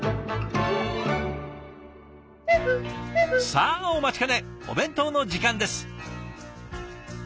さあお待ちかねお弁当の時間です。